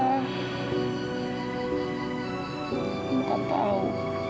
aku nggak tahu